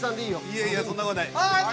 いやいやそんな事ない。